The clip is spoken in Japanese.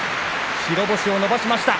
白星を伸ばしました。